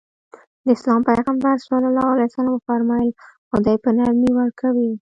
د اسلام پيغمبر ص وفرمايل خدای په نرمي ورکوي.